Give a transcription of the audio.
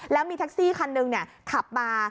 แล้วมีแท็กซี่คันหนึ่งขับมา